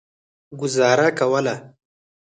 ګوزاره کوله.